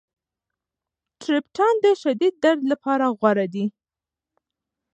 ټریپټان د شدید درد لپاره غوره دي.